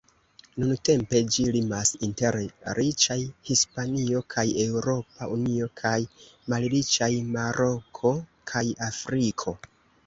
Nuntempe, ĝi limas inter riĉaj Hispanio kaj Eŭropa Unio kaj malriĉaj Maroko kaj Afriko.